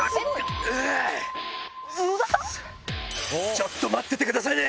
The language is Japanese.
⁉ちょっと待っててくださいね！